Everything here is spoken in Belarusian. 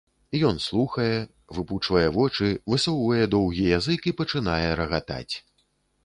Ён слухае, выпучвае вочы, высоўвае доўгі язык і пачынае рагатаць.